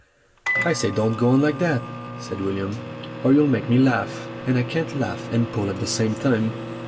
"I say, don't go on like that," said William, "or you'll make me laugh. And I can't laugh and pull at the same time.